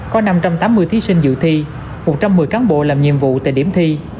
có năm trăm tám mươi thí sinh dự thi một trăm một mươi cán bộ làm nhiệm vụ tại điểm thi